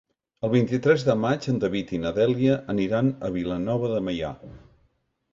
El vint-i-tres de maig en David i na Dèlia aniran a Vilanova de Meià.